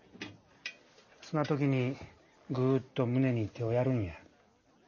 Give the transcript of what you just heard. そな時にグッと胸に手をやるんや。